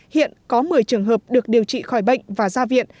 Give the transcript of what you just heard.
hiện có một mươi trường hợp được điều trị khỏi bệnh và ra viện